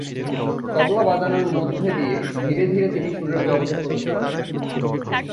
তবলা বাজানোর মধ্যে দিয়ে ধীরে ধীরে তিনি সুরের জগতে প্রবেশ করেন।